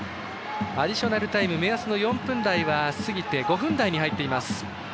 アディショナルタイム目安の４分台は過ぎて５分台に入っています。